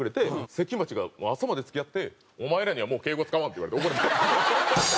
関町が朝まで付き合って「お前らにはもう敬語使わん」って言われて怒られた。